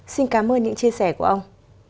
xin cảm ơn những chia sẻ của ông